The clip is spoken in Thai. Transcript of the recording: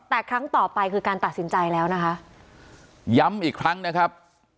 แต่ครั้งต่อไปคือการตัดสินใจแล้วนะคะย้ำอีกครั้งนะครับ